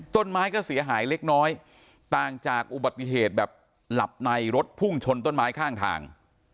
ต้นไม้ก็เสียหายเล็กน้อยต่างจากอุบัติเหตุแบบหลับในรถพุ่งชนต้นไม้ข้างทาง